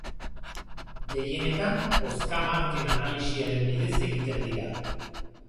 Gehienetan hozka-marken analisiaren bidez egiten da.